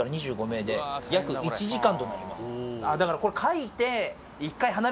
だからこれ。